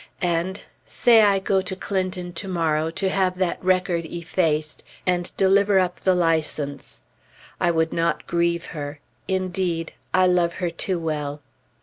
And say I go to Clinton to morrow to have that record effaced, and deliver up the license. I would not grieve her; indeed, I love her too well."